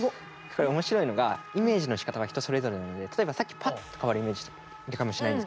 これ面白いのがイメージのしかたは人それぞれなので例えばさっきパッと変わるイメージだったかもしれないんですけど。